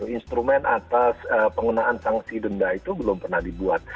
instrumen atas penggunaan sanksi denda itu belum pernah dibuat